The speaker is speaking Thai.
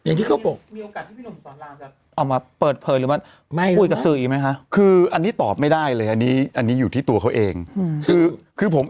เอามาเปิดเผยหรือว่าคืออันนี้ตอบไม่ได้เลยอันนี้อันนี้อยู่ที่ตัวเขาเองคือคือผม